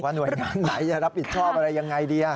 หน่วยงานไหนจะรับผิดชอบอะไรยังไงดี